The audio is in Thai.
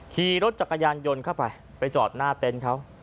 ขี่รถจักรยานยนต์เข้าไปไปจอดหน้าเต็นต์เขา